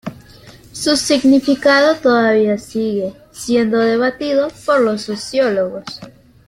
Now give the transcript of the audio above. Su significado todavía sigue siendo debatido por los sociólogos.